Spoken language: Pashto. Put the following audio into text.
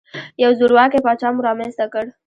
یو زورواکۍ پاچا مو رامنځته کړ.